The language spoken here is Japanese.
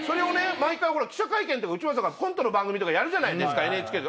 毎回記者会見とか内村さんが。とかやるじゃないですかＮＨＫの。